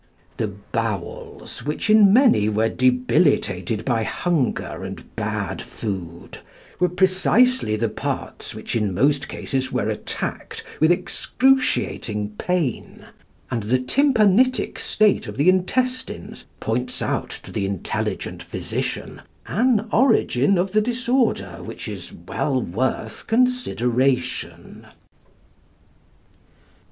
The bowels, which in many were debilitated by hunger and bad food, were precisely the parts which in most cases were attacked with excruciating pain, and the tympanitic state of the intestines points out to the intelligent physician an origin of the disorder which is well worth consideration.